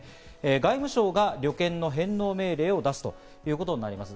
外務省が旅券の返納命令を出すということになります。